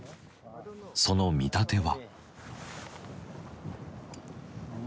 その見立ては？